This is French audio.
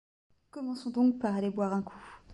Commençons donc par aller boire un coup.